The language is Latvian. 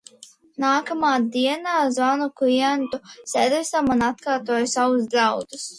Nākamā dienā zvanu klientu servisam un atkārtoju savus draudus.